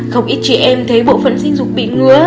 không ít chị em thấy bộ phận sinh dục bị ngứa